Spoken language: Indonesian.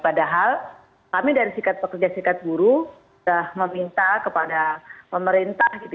padahal kami dari serikat pekerjaan serikat buruh sudah meminta kepada pemerintah